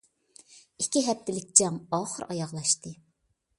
ئىككى ھەپتىلىك جەڭ ئاخىرى ئاياغلاشتى.